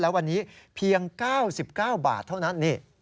และวันนี้เพียง๙๙บาทเท่านั้น